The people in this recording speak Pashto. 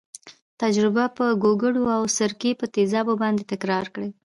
تجربه په ګوګړو او سرکې په تیزابونو باندې تکرار کړئ.